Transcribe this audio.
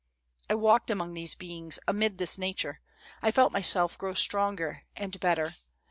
" I walked among these beings, amid this nature. I felt myself grow stronger and better.